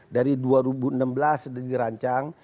dari dua ribu enam belas sudah dirancang